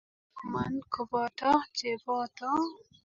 Kikisoman koboto cheboto